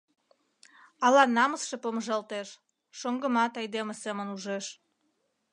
Ала намысше помыжалтеш, шоҥгымат айдеме семын ужеш.